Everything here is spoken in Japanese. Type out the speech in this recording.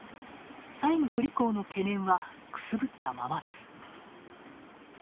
債務不履行の懸念はくすぶったままです。